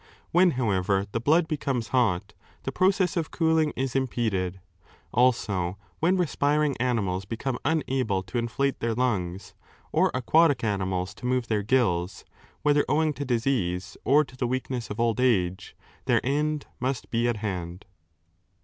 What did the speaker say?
When, however, the blood becomes hot, the process of cooling is impeded. Also when respiring animals become unable to inflate their lungs, or aquatic animals to move their gills, whether owing to disease or to the weakness of old age, their end must be at hand.